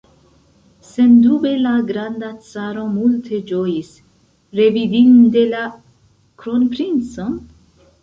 Sendube la granda caro multe ĝojis, revidinte la kronprincon?